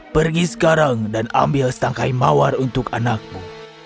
pergi sekarang dan ambil setangkai mawar untuk anakmu